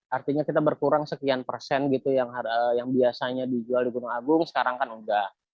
artinya kita berkurang sekian persen gitu yang biasanya dijual di gunung agung sekarang kan enggak